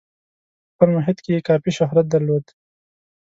په خپل محیط کې یې کافي شهرت درلود.